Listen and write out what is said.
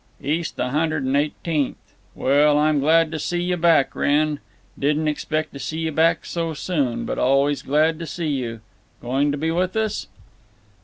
"—East a Hundred and Eighteenth…. Well, I'm glad to see you back, Wrenn. Didn't expect to see you back so soon, but always glad to see you. Going to be with us?"